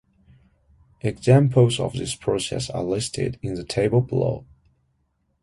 Examples of this process are listed in the table below.